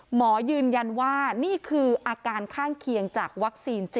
หมอยืนยันว่านี่คืออาการข้างเคียงจากวัคซีน๗